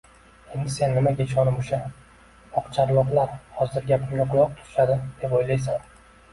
Endi sen nimaga ishonib o‘sha oqcharloqlar hozir gapimga quloq tutishadi, deb o‘ylaysan?